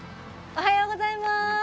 おはようございます！